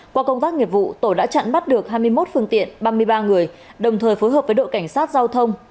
qua công tác nghiệp vụ tổ đã chặn bắt được hai mươi một phương tiện ba mươi ba người đồng thời phối hợp với đội cảnh sát giao thông